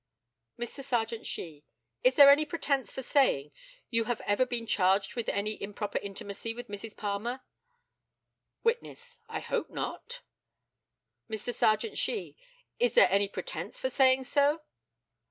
Mr. Serjeant SHEE: Is there any pretence for saying you have ever been charged with any improper intimacy with Mrs. Palmer? Witness: I hope not. Mr. Serjeant SHEE: Is there any pretence for saying so?